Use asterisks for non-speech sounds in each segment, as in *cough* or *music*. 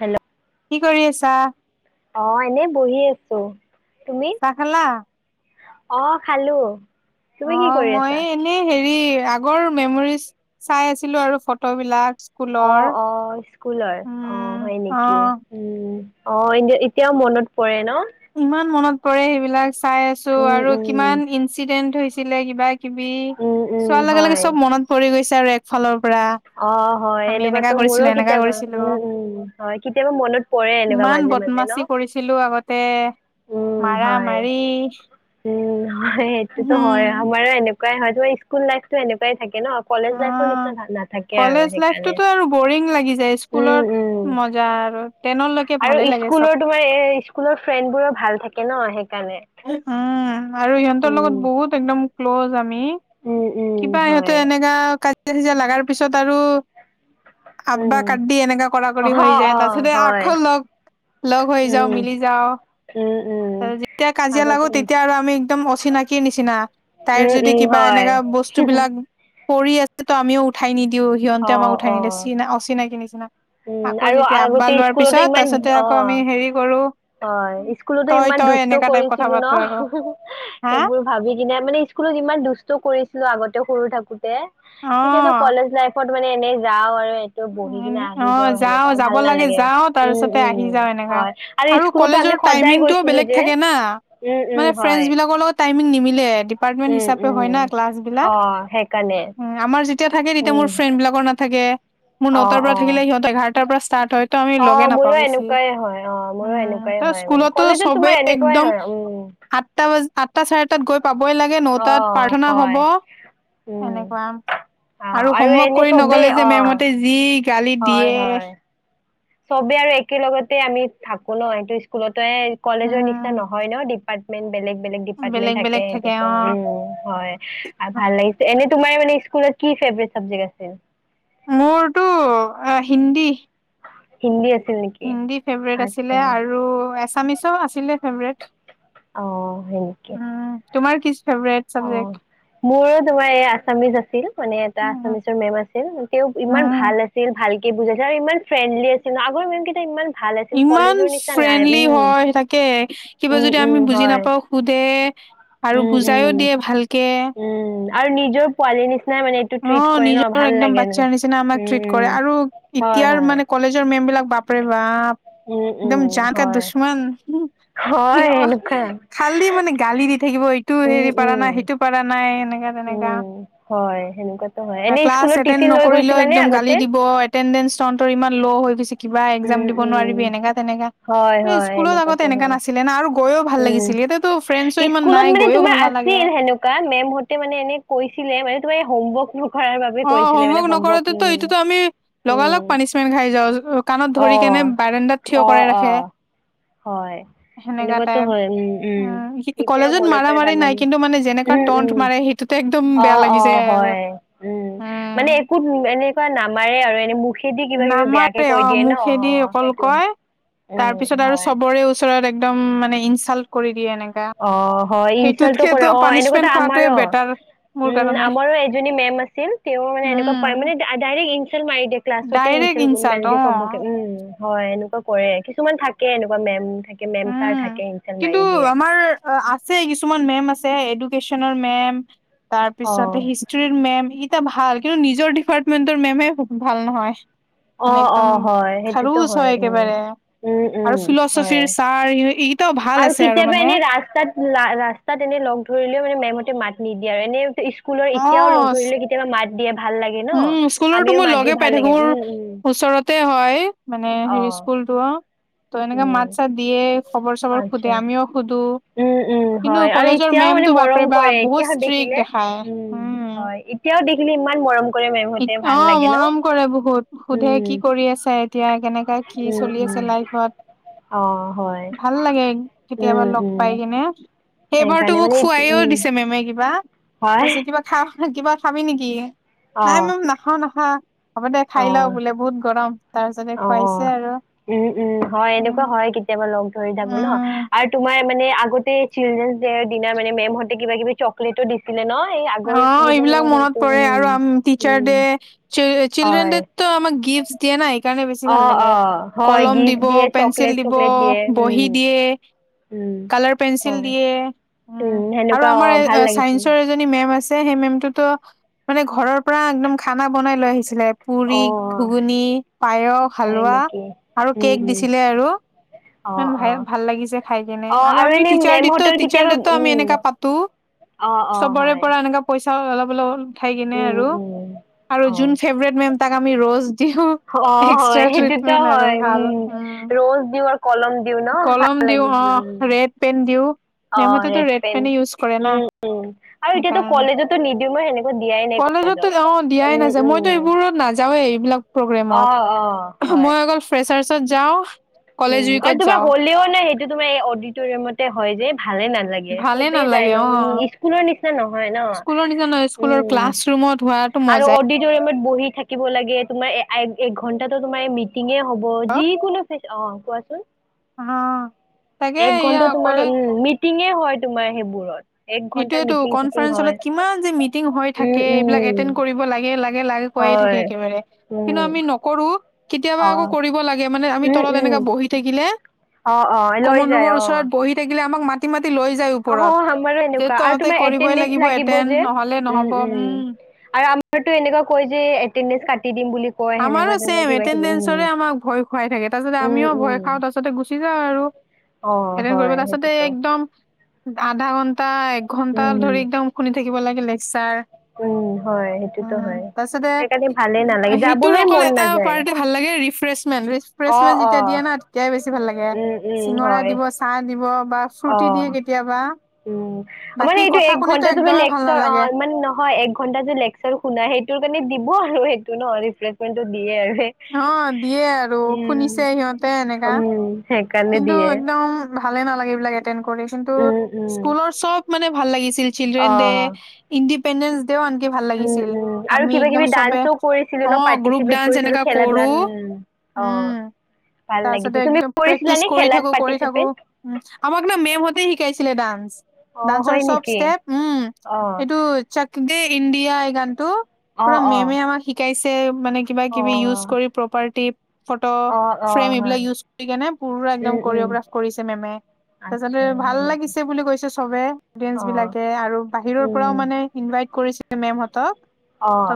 Hello কি কৰি আছা অ', এনেই বহি আছো। তুমি চাহ খালা? অ', খালো। তুমি কি অ', কৰি মই আছা এনেই হেৰি হেৰি আগৰ মেমৰিজ চাই আছিলো আৰু ফটো বিলাক। অ'-অ', স্কুলৰ, অ', উম, হয় নেকি? অ', উম'। অহ, এ-এতিয়াও মনত পৰে ন কৰে সেইবিলাক চাই আছো উম আৰু উম কিমান ইঞ্চিডেন্ট হৈছিলে কিবা কিবি উম উম চোৱাৰ লগে-লগে হয় চব মনত পৰি গৈছে আৰু এক ফালৰ পৰা। অহ, হয় আমি এনেকা এনেকুৱাতো কৰিছিলো মোৰো এনেকা কেতিয়াবা কৰিছিলো। উম'-উম', হয়। কেতিয়াবা মনত পৰে এনেকুৱা মাজে মাজে। ন বতমাচি কৰিছিলো আগতে উম মাৰা হয় মাৰি উম', হয় সেইটোতো হয়, উম, আমাৰো এনেকুৱাই হয়। তোমাৰ স্কুল লাইফটো এনেকুৱাই- থাকে ন কলেজ লাইফৰ অ'। নিচিনা নাথাকে আৰু কলেজ সেইকাৰণে। লাইফটোতো আৰু বৰিং লাগি যায় স্কুলত উম'-উম'। মজা আৰু। টেনলৈকে ভালে আৰু লাগে চব স্কুলৰ তোমাৰ এ স্কুলৰ ফ্ৰেণ্ড বোৰো ভাল থাকে ন সে উম', আৰু সিহঁতৰ উম। লগত বহুত একদম ক্ল'জ আমি। উম উম কিবা সিহঁতে হয় এনেকা কাজিয়া- চাজিয়া লগাৰ পিছত আৰু আব্বা উম কাট্ৰি এনেকা কৰা কৰি অহ হৈ যায় অ তাৰপিছতে হয় আকৌ লগ লগ হৈ যাও উম। মিলি যাও। উম উম যেতিয়া কাজিয়া লাগো আগতে তেতিয়া আৰু আমি একদম অচিনাকিৰ নিচিনা, তাইৰ উম যদি উম কিবা তাৰ হয়। এনেকা বস্তু বস্তু বিলাক পৰি আছে তো আমিও উঠাই নিদিওঁ সিহঁতে অ আমাক উঠাই অ নিদিয়ে চিনা অচিনাকি নিচিনা। উম আকৌ আৰু যেতিয়া আব্বাহ আগতে লোৱাৰ স্কুলতে পিছত ইমান তাৰ পিছতে আকৌ আমি হেৰি কৰো অ', উম, স্কুলতো তই ইমান তই দুষ্ট এনেকা টাইপ কথা কৰিছিলো ন পাতো আৰু হা সেইবোৰ ভাবি কিনে মানে স্কুল তই ইমান দুষ্ট কৰিছিলো। আগতে সৰু থাকোতে অ এনেতো কলেজ লাইফত মানে এনেই যাওঁ আৰু বহি কিনে আহি অহ', যাওঁ সেনেকুৱা যাব ভাল লাগে নালাগে যাওঁ উম তাৰপিছতে আহি উম যাওঁ এনেকা হয় আৰু স্কুলতো আমি কলেজৰ সদায় টাইমিংটো গৈছিলো বেলেগ যে থাকে না, উম উম মানে হয় ফ্ৰেণ্ডছবিলাকৰ লগত টাইমিং নিমিলে, ডিপাৰ্টমেণ্ট উম হিচাপে হৈ উম না ক্লাছ বিলাক। অ সেইকাৰণে আমাৰ যি তেতিয়া থাকে তেতিয়া মোৰ উম ফ্ৰেণ্ড বিলাকৰ নাথাকে, মোৰ অ নটাৰ পৰা অ থাকিলে সিহঁত এঘাৰটাৰ পৰা ষ্টাৰ্ট হয়। তো আমি অ লগে নাপাওঁ মোৰো বেছি। এনেকুৱাই হয় অ মোৰো উম', এনেকুৱাই ত হয় মানে স্কুলতো কলেজত তোমাৰ চবেই এনেকুৱাই একদম হয় উম আঠটা ব আঠটা চাৰেটাত গৈ পাবই লাগে অ নটাত প্ৰাৰ্থনা হ'ব। হয় উম এনেকুৱা অ আৰু হোমৱৰ্ক এনে কৰি চবেই নগলে যে অ মেমতে যি গালি হয় দিয়ে। হয় চবে আৰু একেল লগতে আমি থাকো ন? এইটো স্কুলতো এ কলেজৰ নিচিনা নহয় ন? ডিপাৰ্টমেণ্ট বেলেগ-বেলেগ বেলেগ ডিপাৰ্টমেণ্ট থাকে বেলেগ সেইটো অ উম', হয় আৰু ভাল লাগিচে। এনে তোমাৰ মানে স্কুলত কি ফেভৰেট চাবজেক্ট আছে মোৰতো হিন্দী। হিন্দী আছ হিন্দী ফেভৰেট আছিলে আৰু এছামিছো আছিলে ফেভৰেট। অ হয় নেকি তোমাৰ কি ফেভৰেট অ চাবজেক্ট? মোৰো তোমাৰ এই আছামিজ আছিল মানে এটা আছামিছৰ মেম আছিল, তেওঁ ইমান ভাল আছিল ভাল ভালকে বুজাইছে আৰু ইমান ফ্ৰেণ্ডলি আছিল ন আগ ইমান কেইটা ইমান ভাল আছিল, ইমান কলেজৰ নিচিনা নাই ফ্ৰেণ্ডলি উম', হয় তাকে কিবা যদি আমি উম'-উম', বুজি হয়। নাপাওঁ সোধে আৰু উম বুজাইও উম দিয়ে ভালকে। উম আৰু নিজৰ পোৱালি নিচিনা। অঁ নিজৰ একদম বাচ্ছাৰ নিচিনা আমাক ট্ৰিট কৰে আৰু এতিয়াৰ মানে কলেজৰ মেম বিলাক বাপৰে বাপ উম একদম উম জতে হয় দুশ্মন হয় উম উম হয় হয় অঁ এনেকুৱা খালি মানে গালি দি থাকিব ইটো উম হেৰি পাৰা উম নাই সেইটো পাৰা নাই এনেকা তেনেকা উম হয় সেনেকুৱাতো হয় *unintelligible* এনেই কালচ্ স্কুলত এটেন টিফিন লৈ নকৰিলো গৈছিলানে একদম গালি আগতে দিব এটেন্ডেন্ট চৰ ইমান ল হৈ গৈছে। কিবা এক্জাম উম দিব উম নোৱাৰিবি এনেকা তেনেকা হয় হয় স্কুলত আগতে এনেকুৱাতো এনেককা হয় নাছিলে না আৰু গৈও ভাল উম লাগিছিল এতিয়াতো ফ্ৰেণ্ডছো ইমান স্কুলত নাই মানে গৈও তোমাৰ ভাল নালাগে আছিল সেনেকুৱা মেমহতে মানে এনে কৈছিল। আছিলে মে তোমাৰ হোমৱৰ্ *unintelligible* কৰাৰ বাবে অ কৈছিলে মানে হোমৱৰ্ক হমৰ্ক উ নকৰাতেতো এইটোতো আমি লগালগ উম পানিচমেন্ট খাই যাওঁ কাণত অ। ধৰি কেনে বাৰাণ্ডাত থিয় অঁ কৰাই ৰাখে অঁ হয় সেনেকা এনেকুৱা। টাইপ হয় উম উম অ এতিয়া কলেজত মনত প মাৰা মাৰি ভাল নাই লাগে কিন্তু মানে যেনেকা উম টন্ট উম মাৰে সেইটোতে একদম বেয়া অঁ অঁ লাগিছে অঁ আৰু হয় উম মানে একো এনেকুৱা নামাৰে আৰু এনে মোৰ। নামাৰে অঁ মোক সেদি অকল সেইটো। কয় তাৰ উম, পিছত আৰু হয়, চবৰে ওচৰত একদম মানে ইনচাল্ট কৰি দিয়ে এনেকা অ হয় ইনচালো সেইটোতকেতো কৰে অ পানিচমেন্ট এনেকুৱাটা খোৱাটোৱে আমাৰো বেটাৰ মোৰ উম কাৰণে আমাৰো এয মেম আছিল তেওঁ মানে এনেকুৱানে উম ডাইৰেক্ট ই মাৰিয়। ক্লাছত ই ডাইৰেক্ট ম ইনচাল্ট অ দিয়ে চবকে উম হয় এনেকুৱা কৰে কিছুমান থাকে এনেকুৱা মেম থাকে মেম চাৰ থাকে ইচ মাৰি দিয়ে। অঁ আছে কিছুমান মেম আছে এডুকেশচনৰ মেম *unintelligible* তাৰ পিছতে অ', হিষ্ট্ৰীৰ মেম এয়া ভাল কিন্তু নিজৰ ডিপাৰ্টমেন্টৰ মেমহে ভাল নহয়। মানে অ', একদম অ', হয় সেইটোতো খাৰুচ হয় উম। একেবাৰে উম, উম, আৰু হয়। ফিলচফিৰ ছাৰ এইকেইটাও ভাল আৰু আছে কেতিয়াবা মানে এনে ৰাস্তাত ৰাস্তাত এনে লগ ধৰিলেও মানে মেমতে মা নিদিয়া আৰু এনে স্কুলৰ অ এতিয়াও লগ ধৰিলে কেতিয়াবা মাত দিয়া উম স্কুলৰতো মই লগে পাই থাকো লাগে, মোৰ উম, উম। ওচৰতে হয় মানে হেৰি অ', স্কুল অঁ ত এনেকে উম, মাত চাত দিয়ে খবৰ চবৰ সুধে আচ্ছা। আমিও সুধো উম উম হয় আৰু এতিয়াও মানে মৰম বাপৰে বাপ কৰে বহুত এতিয়াাহ ষ্ট্ৰিক্ট দেখিলে দেখায় উম হয় এতিয়া দেখিলে ইমান মৰম কৰে মেমহঁতে ভাল অঁ লাগে ন মৰম কৰে বহুত সোধে কি উম কৰি আছে এতিয়া কেনেকা কি উম চলি আছে। উম চেলাই ঘত অ হয় ভাল লাগে কেতিয়াবা উম লগ উম কিনে সেইবাৰতো সেইকাৰণে মোক মানে খুৱাইও উম দিছে মেমে কিবা প হয় কিবা খ কা খাবি নেকি অ নাই মম নাখাওঁ নাখা হ'ব দে খাই লওঁ বোলে বহুত গৰম তাৰ অঁ উম উম হয় উম এনেকুৱা হয় কেতিয়াবা লগ ধৰি থাকো ন উম আৰু তোমাৰ? মানে আগতে চিল্ড্ৰেন ডৰ দিনাৰ মানে মেমহতে কিবা কিবি চকলেটো দিছিলে ন এই আগৰ অঁ কিবা মানে এইবিলাক মনত সেইটো পৰে আৰু উম আঁ টিচাৰ উম ডে চিল্ড্ৰেন হয় ড তো আমাক গিফ্ট টিপস দিয়ে ন এইকাৰনে বেছি অ ভাল অ লাগে হয় কলম গিফ্ট দিব দিয়ে চকলেট পেঞ্চিল দিব চকলেট দিয়ে বহী উম দিয়ে। উম কালাৰ পেঞ্চিল হয় উম আৰু সেনেকুৱা অ আমাৰ। ভাল লাগিছিল আছে সেই মেমটোতো মানে ঘৰৰ পৰা একদম খানা বনাই লৈ আহিছিলে অ পুৰি ঘুগুনি পায়স হয় হালোৱা নেকি আৰু উম কেক উম দিছিলে আৰু অ *unintelligible* অ ভাই ভাল লাগিছে খাই। কেনে অ আৰু আমি এনে তিচাৰদেটো মেমহঁতৰ কেতিয়াবা উম এনেকা পাটো অ অ চবৰে হয় পৰা এনেক পইছা *unintelligible* অলপ অলপ খাই কেনে উম উম আৰু যুন ফেৱৰেত মেম তাক আমি ৰজ দিওঁ অঁ এক্সট্ৰা হয় সেইটোতো ট্ৰিটমেন্ট আৰু হয় ভাল উম ৰ'জ দিওঁ কলম দিও ন ভাল কলম দিওঁ লাগে। অ ৰেড পেন দিওঁ অঁ মেমহতেতো ৰেড পেন পেনে ইউজ কৰে না উম উম আৰু এতিয়াতো কলেজতো নিদিওঁও মই সেনেকা দিয়াই নাই। কলেজ কলেজত টো নাযাও উম য়ে মই তো এই উম বোৰত তো নাযাও য়ে এই বিলাক প্ৰগেম অ', অ', হয়। মই অকল ফে তাৰ পিছত যাওঁ কলেজ উই এইটো বি হ'লেও নে এইটো তোমাৰ এই অডিটৰিয়ামতে হ'য় যে। ভালে নালাগে। ভালে চবে যায় নালাগে ন' অ উম, স্কুলৰ নিচিনা না নহয় ন'? স্কুলৰ নিচিনা নহয় স্কুলৰ উম ক্লাছ ৰুমত হোৱাটো আৰু মজাই অডিটৰিয়ামতা বহি থাকিব লাগে। তোমাৰ আইক একঘন্টাটো তোমাৰ মিটিঙে হ'ব। যিকোনো ফে অঁহ, কোৱাচোন? অঁ এক ঘন্টা তোমাৰ, উম, মিটিঙে হ'য় তোমাৰ সেইবোৰত। এক ঘন্টা সেইটোৱেটো, মিটিং চিটিং কনফাৰেন্স হয়। হলত কিমান যে মিটিং হৈ উম, থাকে। এইবিলাক এটেণ্ট উম, কৰিব লাগে। লা গে কৈয়ে থাকে। হয়। একেবাৰে কিন্তু উম, আমি নকৰো, কেতিয়াবা আকৌ অ', কৰিব লাগে। মানে, আমি উম, তলত উম, এনেকা বহি থাকিলে, অ', অ', লৈ যায় কমণ্ডৰোমৰ ওচৰত অ'। বহি থাকিলে আমাক মাতি মাতি লৈ যায় ওপৰত। ৰো যে এনেকোৱা আৰু তহঁতে তোমাৰ কৰিবই এটেণ্টডেন্স লাগিব এটেণ্ড যে। নহ'লে উম, নহ'ব উম। আৰু আমাৰটো এনেকুৱা কয় যে এটেণ্টডেন্স কাটি দিম বুলি কয় আমাৰো সেনেকুৱা তেনেকুৱা ছেম, কিবা কিবি এটেণ্টডেন্সৰে উম আমাক ভয় খুৱাই থাকে। তাৰপাছতে আমিও উম ভয় উম খাওঁ, তাৰপাছতে গুচি যাওঁ আৰু অ এটেণ্ড কৰিব। হয় তাৰপাছতে সেইটোতো একদম আধা ঘন্টা, এক ঘন্টা উম ধৰি একদম শুনি থাকিব লাগে লেকচাৰ। উম, হ'য়, সেইতোটো উম হ'য়। সেইকাৰণে ভালেই নালাগে যা তোৰ অকল এটা পাৰ্টে ভাল লাগে ৰিফ্ৰেছমেণ্ট। অ ৰিফ্ৰেছমেণ্ট অ যেতিয়া দিয়ে না তেতিয়াই বেছি ভাল লাগে। উম উম চিঙৰা হয় দিব, চাহ দিব বা অ চুইতি দিয়ে কেতিয়াবা। উম, আমাৰ বাকী এইটো কথা এক শুনিতো ঘন্টা তুমি একদমেই ভাল লেকচাৰ, নালাগে অঁহ মানে, নহয় এক ঘন্টা যে লেকচাৰ শুনাই সেইটোৰ কাৰণে দিব আৰু সেইটো ন' ৰিফ্ৰেচমেণ্টো দিয়ে আৰু। অঁ, দিয়ে আৰু। উম শুনিছে সিহঁতে এনেকা। উম সেইকাৰণে কিন্তু দিয়ে একদম ভালে নালাগে, এইবিলাক এটেণ্ড কৰি। কিন্তু উম উম স্কুলৰ চব মানে ভাল লাগিছে। অ চিল--চিলড্ৰেন ডে, ইণ্ডিপেন্দেন তেওঁ আনকি ভাল উম লাগিছিল। উম আৰু আমি কিবা একদম কিবি চবে ডান্সও কৰিছিলো অঁ, গ্ৰুপ ডান্স, এনেকা কৰো। অঁহ তাৰপাছতে একদম প্ৰেক প্ৰেক্টিচ কৰি থাকো, কৰি থাকো পাৰ্টিচিপেট আমাক না, মেম্‌হঁতে শিকাইছিলে ডান্স। অ ডান্সৰ হয় চব নেকি ষ্টেপ। উম, অ সেইটো দে ইণ্ডিয়াই, এই গানটো অ পুৰা অ মেমে আমাক শিকাইছে। মানে কিবা -কিবি ইউজ কৰি অ প্ৰপাৰ্টি ফটো, অ অ ফ্ৰেম এইবিলাক হয় ইউজ আহি কিনে পুৰা একদম উম সৰু উম ‌পৰাকৰিছে মেমে। তাৰপাছতে আচ্ছা ভাল হয় নেকি লাগিছে বুলি কৈছে চবে। অডিয়েঞ্চ অ বিলাকে আৰু বাহিৰৰ পৰাও উম মানে ইনভাইট কৰিছিল। মেম হঁত অঁ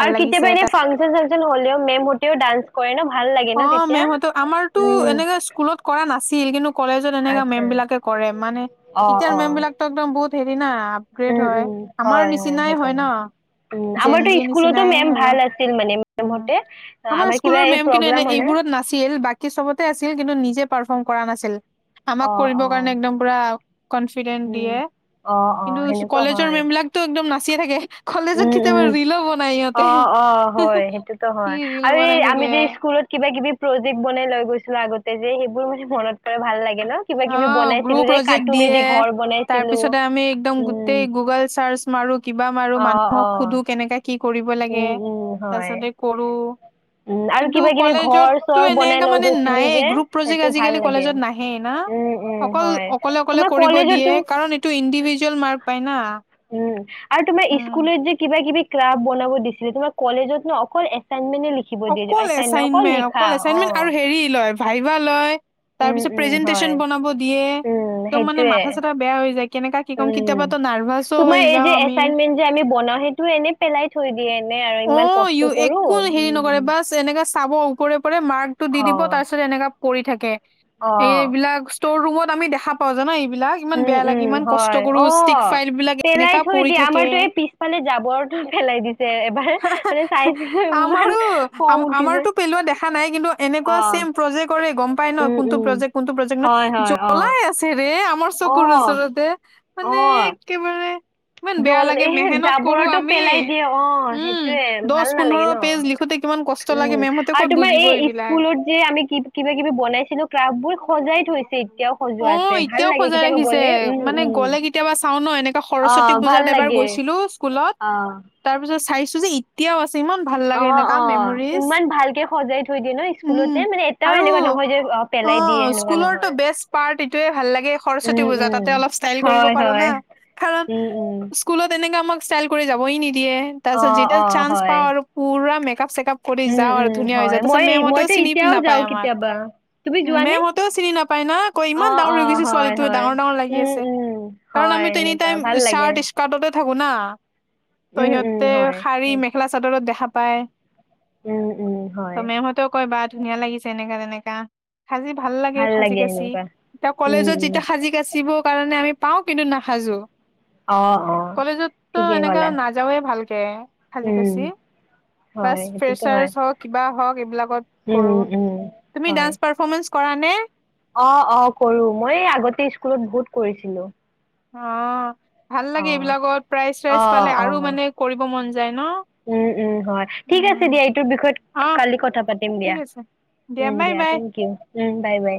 আৰু কেতিয়াবা লাগিছে এনে ফাংচন-চাংচন হলেও মেম্‌হঁতেও ডান্স কৰে ন'। ভাল লাগে ন অঁ তেতিয়া মেম্‌হঁতেও, আমাৰটো উম এনেকে স্কুলত কৰা নাছিল। কিন্তু কলেজত এনেকা আচ্ছা মেম্‌বিলাকে কৰে। মানে অ এতিয়াৰ অ মেম্‌বিলাকটো, একদম বহুত হেৰি না। আপ্‌গ্ৰেড উম হ'য়। উম আমাৰ হয় নিচিনাই হ'য় সেইকাৰণে ন'। উম আমাৰতো জেন্জি স্কুলতো নিচিনাই মেম আৰু। ভাল আছিল মানে উও, মেমহতে আমাৰ কিবা স্কুলৰ এই মেমখিনি এনে প্ৰগ্ৰাম হলে এইবোৰত নাছিল বাকি চ'বতে আছিল। কিন্তু নিজে পাৰফৰ্মকৰা নাছিল। আমাক অ কৰিব অ কাৰণে একদম পুৰা কন্ফিড্ৰেণ্ড উম দিয়ে। অ অ কিন্তু সেনেকুৱা কলেজৰ হয় মেম বিলাকটো একদম নাচিয়ে থাকে। কলেজত কেতিয়াবা ৰিলো বনাই ইহঁতে। অঁ হ'য়, সেইতোটো কি হ'য় ৰিল আৰু এই বনাই আমি যে থাকে। স্কুলত কিবা -কিবি প্ৰজেক্ট বনাই লৈ গৈছিলোঁ। আগতে যে সেইবোৰ মানে মনত পেলাই ভাল লাগে। ন? কিবা-কিবি বনাইছিলো যে কাৰ্টোনেদি। হেঁ, তাৰপিছতে আমি একদম গোটেই গুগল চাৰ্চ মাৰো। কিবা মাৰো, অ অ মানুহক সুধো কেনেকে কি কৰিব লাগে? উম উম তাৰ হয় পিছতে কৰো। উম আৰু কিন্তু কিবা কিবি ঘৰ কলেজতটো চৰ বনাই এনেকা লৈ মানে, গৈছিলো নায়েই। যে গ্ৰুপ প্ৰজেক্ট সেইটো ভাল আজি-কালি লাগে কলেজত নাহেই না? উম উম অকল, হয় অকলে অকলে তোমাৰ কৰিব দিয়ে কলেজতো কাৰণ এইটো ইণ্ডিভিজুৱেল মাৰ্ক পায় না। উম আৰু তোমাৰ উম। স্কুলত যে কিবা কিবি ক্ৰাফ্ বনাব দিছিলে তোমাৰ কলেজত ন অকল এ অকল এচাইনমেন্ট অকল অ এচাইনমেন্ট আৰু হেৰি লয় ভাইবা লয় উম তাৰপিছত উম হয় প্ৰেজেনটেচন বনাব দিয়ে উম এক মানে সেইটোয়ে মাথা চাথা বেয়া হৈ যায় কেনেকা কি ক'ম উম কেতিয়াবাটো নাৰ্ভাছো তোমাৰ হৈ এই যাওঁ যে আমি এচাইনমেন্ট যে আমি বনাও সেইটো এনে পেলাই থৈ দিয়ে এনে আৰু অ ইমান ই কষ্ট কৰো একো হেৰি নকৰে উম বা এনেকা চাব ওপৰে পৰে মাৰ্কতটো দি অ দিব তাৰ পিছত এনেকা পৰি থাকে অ এইবিলাক। ষ্টৰ ৰুমত আমি দেখা পাওঁ জানা। বিলাক ইমান উম বেয়া লাগে উম ইমান হয় কষ্ট কৰো অ ষ্টিক ফাইল বিলাক পেলাই এনেকা থৈ পৰি দিয়ে থাকে আমাৰতো এই পিছফালে জাবৰতো পেলাই দিছে। এবাৰ মানে চাইছিলো ইমান আমাৰো খং উঠিছে আমাৰতো পেলোৱা দেখা নাই কিন্তু অ এনেকুৱা ছেম প্ৰজে। কৰে গম পাই ন উম কোনটো উম প্ৰজেক্ট কোনটো প্ৰজেক্ট নয় হয় হয় অ জ্বলাই আছে ৰে আমাৰ অ চকুৰ ওচৰতে মানে একেবাৰে। ইমান বেয়া জ্বল লাগে এ মেহনত কৰো জাবৰটো আমি পেলাই দিয়ে অঁ। অঁ উম, সেইটোয়ে দহ ভাল পোন্ধৰ নালাগে ন পেজ লিখোতে কিমান কষ্ট লাগে উম মেমহঁতে আৰু ক'ত তোমাৰ বুজিব এই এইবিলাক। স্কুলত যে। আমি কিবা কিবি বনাইছিলো ক্ৰাফ্ বোৰ সজাই থৈছে এতিয়াও সজোৱা অ', আছে ভাল এতিয়াও লাগে সজাই কেতিয়াবা ৰাখিছে গ'লে। উম মানে উম গ'লে কেতিয়াবা চাওঁ ন এনেকা অ সৰস্বতী ভাল পূজাত এবাৰ লাগে গৈছিলো স্কুলত অ তাৰ পিছত চাইছো যে এতিয়াও আছে। ইমান ভাল অ লাগে এনেকা অ মেমৰিজ ইমান ভালকে সজাই থৈ দিয়ে ন উম স্কুলতে মানে এটাও আৰু এনেকুৱা নহয় যে অ পেলাই অঁ দিয়ে সেনেকুৱা স্কুলৰতো নহয় বেষ্ট পাৰ্ট এইটোয়ে ভাল লাগে সৰস্বতী উম পূজা উম তাতে অলপ ষ্টাইল কৰিব হয় পাৰো হয় না। কাৰণ উম উম স্কুলত এনেকা। যাবই নিদিয়ে অ তাৰপিছত যেতিয়া অ চাঞ্চ হয় পাও আৰু পুৰা মেকআপ মেকআপ চেকাপ কৰি উম যাওঁ আৰু উম ধুনীয়া হৈ হয় যাওঁ তাৰপাছত মই মেম হতেও মইতো চিনি এতিয়াও নাপায় যাওঁ আমাক। কেতিয়াবা তুমি যোৱানে মেম হতেও চিনি নাপাই না অ ইমান ডাঙৰ অ হৈ গৈছে হয় ছোৱালীটো হয় ডাঙৰ ডাঙৰ লাগি উম আছে উম কাৰণ হয় আমি টো এনি এনেকুৱা টাইম ভাল লাগে চাৰ্ত স্কাৰ্টততে থাকোঁ না। ত' উম উম। সিহঁতে হয় শাৰী মেখেলা চাদৰত দেখা পায় উম উম হয় ত মেমহতেও কয় বা। ধুনীয়া লাগিছে এনেকা তেনেকা সাজি ভাল লাগে সাজি কাচি এতিয়া উম কলেজত উম যেতিয়া সাজি কাচিবোৰ আ পা কিন্তু নাসাযো অ অ কলেজতটো ঠিকেই এনেকা ক'লা নাযাওঁ এ ভালকে। তে সাজি উম কাচি হয় সেইটোতো হয় ফ্ৰেছাৰ্ছ হওক। কিবা হওক এইবিলাকত উম কৰোঁ। উম তুমি হয় ডান্স পাৰফমেঞ্চ কৰা নে। অ অ কৰো মই আগতে স্কুলত বহুত কৰিছিলো। অঁ ভাল অ লাগে এইবিলাকত প্ৰাইজ অ চাইজ পালে অ আৰু মানে কৰিব মন যায়। ন উম উম হয় ঠিক আছে উম দিয়া এইটোৰ বিষয়ত অ কালি কথা পাতিম ঠিক দিয়া। আছে উম বাই দিয়া বাই থেংক ইউ উম বাই বাই